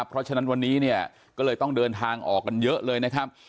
เพราะฉะนั้นวันนี้เนี่ยก็เลยต้องเดินทางออกกันเยอะเลยนะครับ